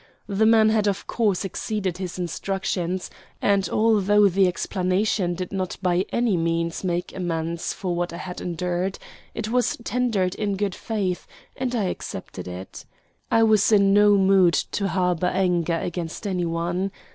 The man had of course exceeded his instructions, and although the explanation did not by any means make amends for what I had endured, it was tendered in good faith, and I accepted it. I was in no mood to harbor anger against any one.